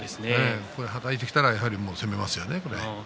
はたいてきたら攻めますよね。